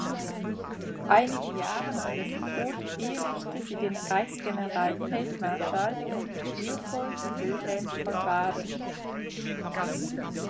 Einige Jahre nach dessen Tod ehelichte sie den Reichsgeneralfeldmarschall Leopold Wilhelm von Baden.